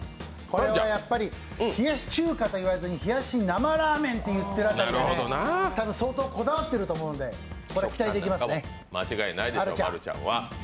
これはやっぱり冷やし中華と言わずに冷やし生ラーメンっていっているあたりが相当こだわっていると思うのでこれ、期待できますね。